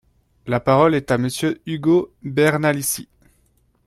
La parole est à Monsieur Ugo Bernalicis.